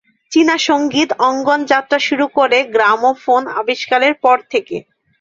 চীনা সঙ্গীত অঙ্গন যাত্রা শুরু করে গ্রামোফোন আবিষ্কারের পর থেকে।